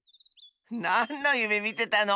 なんのゆめみてたの？